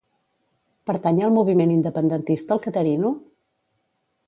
Pertany al moviment independentista el Caterino?